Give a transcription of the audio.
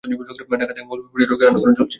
ঢাকা থেকে মৌলবি প্রচারকের আনাগোনা চলছে।